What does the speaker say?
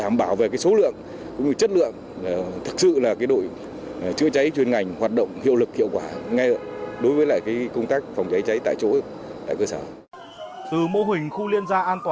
nhờ có sự phối hợp của đội chứa cháy chuyên ngành ở khu công nghiệp